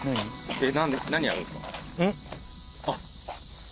えっ？